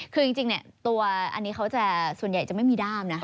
คือจริงตัวอันนี้เขาจะส่วนใหญ่จะไม่มีด้ามนะ